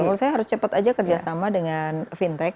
menurut saya harus cepat aja kerjasama dengan fintech